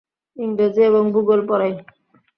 ইংরেজি এবং ভূগোল পড়াই।